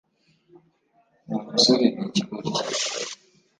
uwo musore ni ikigoryi